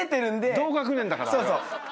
同学年だから。